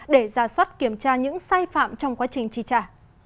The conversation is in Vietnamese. để ra soát kiểm tra những sai phạm trong quá trình chi trả